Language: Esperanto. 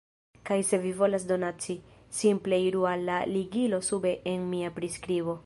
Kaj se vi volas donaci, simple iru al la ligilo sube en mia priskribo.